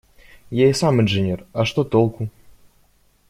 Я и сам инженер, а что толку?